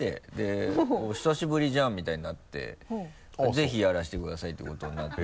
ぜひやらせてくださいっていうことになって。